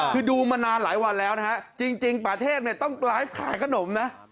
คือดูมานานหลายวันแล้วนะฮะจริงป่าเทพเนี่ยต้องไลฟ์ขายขนมนะ